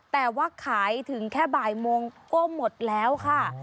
แต่ว่าขายถึงแค่บ่ายโมงก็หมดแล้วค่ะ